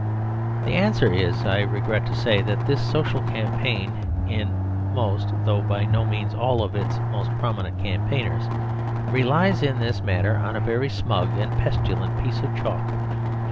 The answer is, I regret to say, that this social campaign, in most though by no means all of its most prominent campaigners, relies in this matter on a very smug and pestilent piece of cant.